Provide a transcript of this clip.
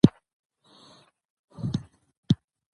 د فرهنګي نوښتونو لپاره ځوانان فرصتونه لري.